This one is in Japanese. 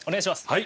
はい。